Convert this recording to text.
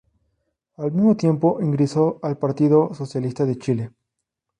Al mismo tiempo, ingresó al Partido Socialista de Chile.